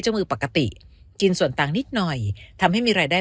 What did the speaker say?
มือปกติกินส่วนต่างนิดหน่อยทำให้มีรายได้